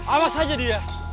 awas aja dia